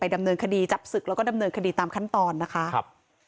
ดำเนินคดีจับศึกแล้วก็ดำเนินคดีตามขั้นตอนนะคะครับ